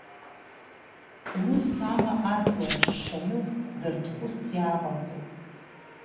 Уыс ала аҵла рышшаны, дардыхәыс иааҟалҵаон.